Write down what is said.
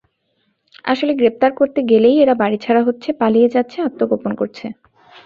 আসলে গ্রেপ্তার করতে গেলেই এরা বাড়িছাড়া হচ্ছে, পালিয়ে যাচ্ছে, আত্মগোপন করছে।